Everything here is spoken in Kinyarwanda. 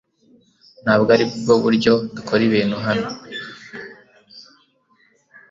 Ntabwo aribwo buryo dukora ibintu hano